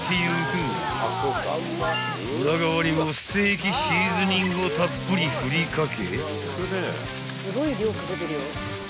［裏側にもステーキシーズニングをたっぷり振りかけ］